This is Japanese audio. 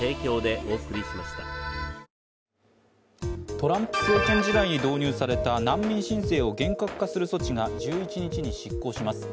トランプ政権時代に導入された難民申請を厳格化する措置が１１日に失効します。